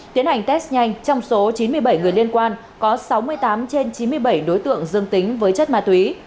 tiến hành test nhanh trong số chín mươi bảy người liên quan có sáu mươi tám trên chín mươi bảy đối tượng dương tính với chất ma túy